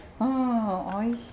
おいしい。